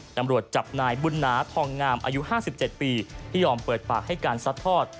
ตำรวจจับนายบุญนาทองงามอายุ๕๗ปีที่ยอมเปิดปากให้การซัดทอด